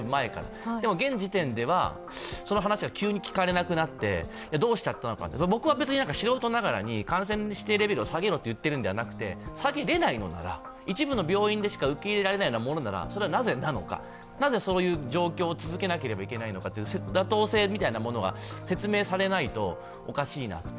でも現時点ではその話は急に聞かれなくなってどうしちゃったのか、僕は素人ながらに感染指定レベルを下げろと言ってるのではなくて下げられないのなら、一部の病院で受け入れられないようなものならそれはなぜなのか、なぜそういう状況を続けなければならないのかという妥当性みたいなものが説明されないとおかしいなと。